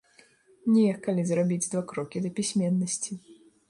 Не, калі зрабіць два крокі да пісьменнасці.